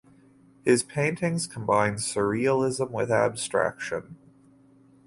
His paintings combine surrealism with abstraction.